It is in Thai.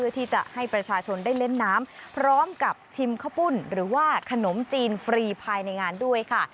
ที่จะให้ประชาชนได้เล่นน้ำพร้อมกับชิมข้าวปุ้นหรือว่าขนมจีนฟรีภายในงานด้วยค่ะ